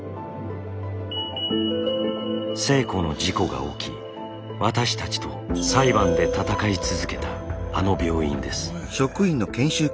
星子の事故が起き私たちと裁判で闘い続けたあの病院です。